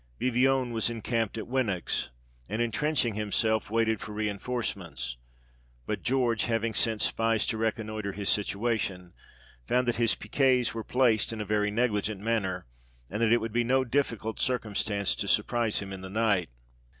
Vivionne was encamped at Winox, and entrenching himself, waited for reinforcements ; but George, having sent spies to reconnoitre his situation, found that his piquets were placed in a very negligent manner, and that it would be no difficult circumstance to surprise him in the night.